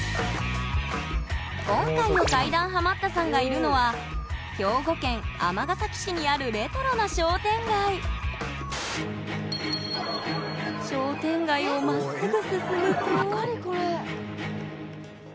今回の怪談ハマったさんがいるのは兵庫県・尼崎市にあるレトロな商店街商店街を何これ！